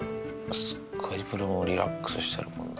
すごいブルーもリラックスしてるもんな。